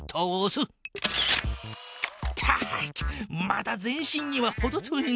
まだ全身にはほど遠いな。